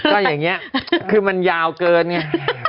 ก็อย่างนี้คือมันยาวเกินไง